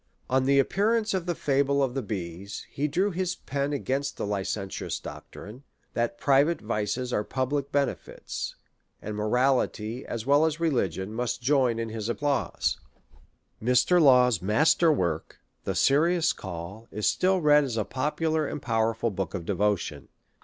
On the appearance of the Fable of the XVI SOME ACCOUNT OF Bees, he drew his pen against the Hcentious doctrine, that private vices are pubhc benefits, and moraht}^, as well as religion, must join in his applause. Mr. Law's master work, tiie Serious Call, is still read as a popular and powerful book of devotion.